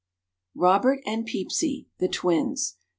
] ROBERT AND PEEPSY THE TWINS.